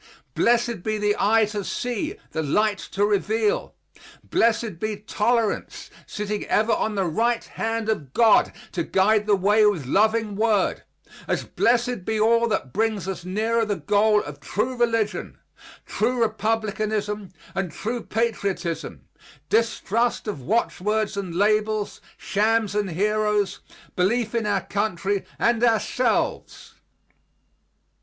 Blessed be the eye to see, the light to reveal. Blessed be Tolerance, sitting ever on the right hand of God to guide the way with loving word, as blessed be all that brings us nearer the goal of true religion, true Republicanism, and true patriotism, distrust of watchwords and labels, shams and heroes, belief in our country and ourselves.